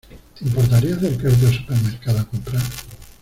¿Te importaría acercarte al supermercado a comprar?